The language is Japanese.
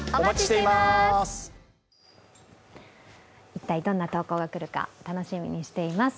一体どんな投稿が来るか楽しみにしています。